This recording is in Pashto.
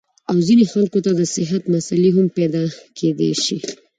او ځينې خلکو ته د صحت مسئلې هم پېدا کېدے شي -